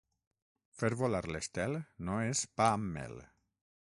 Fer volar l'estel no és pa amb mel.